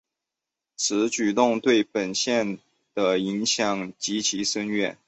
此举动对本线的影响极为深远。